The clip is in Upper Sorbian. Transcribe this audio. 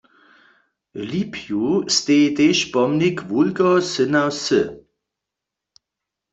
W Lipju steji tež pomnik wulkeho syna wsy.